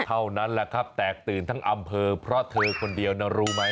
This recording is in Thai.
เท่านั้นแหละครับแตกตื่นทั้งอำเภอเพราะเธอคนเดียวนะรู้ไหม